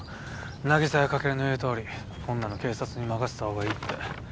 凪沙や翔琉の言うとおりこんなの警察に任せた方がいいって。